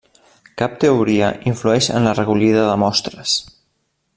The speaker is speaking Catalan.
Cap teoria influeix en la recollida de mostres.